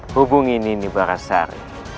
hubungi nini barasahar